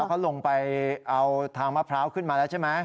เขาลงไปเอาทางมะพร้าวขึ้นมาแล้วใช่ไหม